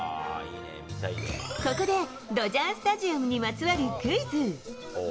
ここで、ドジャースタジアムにまつわるクイズ。